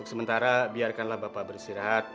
untuk sementara biarkanlah bapak bersirat